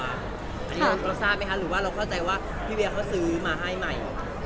อันนี้เราทราบไหมคะหรือว่าเราเข้าใจว่าพี่เวียเขาซื้อมาให้ใหม่